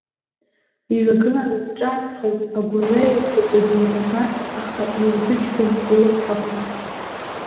Иҩагыланы зҿаазхаз агәырҩа еиқәаҵәа думырбар, аха иузыџьгәом улымҳақәа.